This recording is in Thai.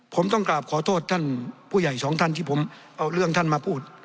ผมต้องกราบขอโทษท่านผู้ใหญ่สองท่านที่ผมเอาเรื่องท่านมาพูด